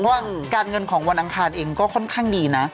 เพราะว่าการเงินของวันอังคารเองก็ค่อนข้างดีนะ